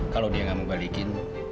kalau dia nggak mau balikin